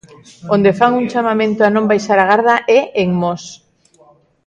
Onde fan un chamamento a non baixar a garda é en Mos.